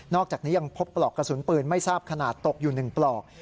อกจากนี้ยังพบปลอกกระสุนปืนไม่ทราบขนาดตกอยู่๑ปลอก